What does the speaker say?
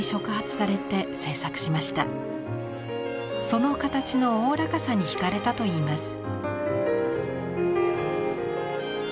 その形のおおらかさに惹かれたといいます。